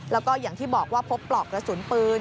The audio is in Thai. แล้วก็อย่างที่บอกว่าพบปลอกกระสุนปืน